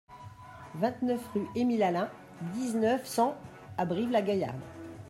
vingt-neuf rue Émile Alain, dix-neuf, cent à Brive-la-Gaillarde